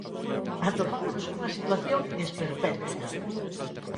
Atopámonos cunha situación esperpéntica.